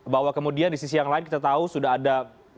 bahwa kemudian di sisi yang lain kita tahu sudah ada